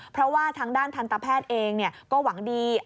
เพราะว่าทางด้านทันตแพทย์เองก็หวังดี